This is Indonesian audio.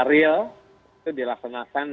real itu dilaksanakan